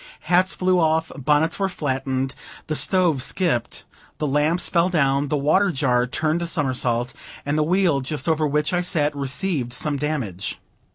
Hats flew off, bonnets were flattened, the stove skipped, the lamps fell down, the water jar turned a somersault, and the wheel just over which I sat received some damage.